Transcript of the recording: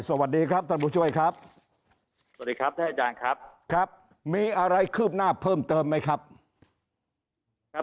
สวัสดีครับคุณผู้ช่วยครับสวัสดีครับได้ครับคลิปหน้าเพิ่มเติมใจครับ